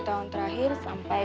tampil permitir pertamanya